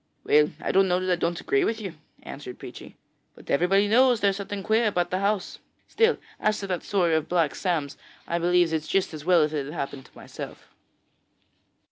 'Well, I don't know that I don't agree with you,' answered Peechy; 'but everybody knows there is something queer about the house. Still, as to that story of Black Sam's, I believe it just as well as if it had happened to myself.'